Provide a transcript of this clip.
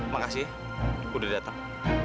makasih ya gue udah datang